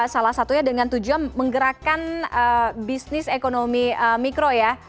salah satunya dengan tujuan menggerakkan bisnis ekonomi mikro ya